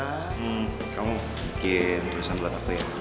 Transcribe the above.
hmm kamu bikin tulisan buat aku ya